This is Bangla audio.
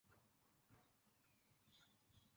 এই লোক আসলেই একটা বদ্ধ পাগল, হাহ?